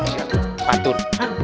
cakap cakap cakap